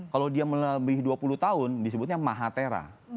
kalau dia melebihi dua puluh tahun disebutnya mahatera